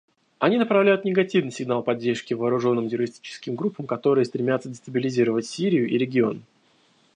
Они направляют негативный сигнал поддержки вооруженным террористическим группам, которые стремятся дестабилизировать Сирию и регион.